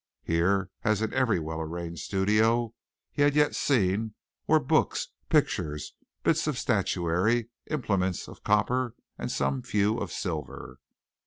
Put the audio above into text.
Here, as in every well arranged studio he had yet seen were books, pictures, bits of statuary, implements of copper and some few of silver.